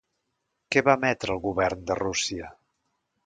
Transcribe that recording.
Què va emetre el govern de Rússia?